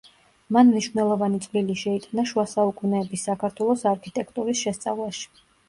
მან მნიშვნელოვანი წვლილი შეიტანა შუასაუკუნეების საქართველოს არქიტექტურის შესწავლაში.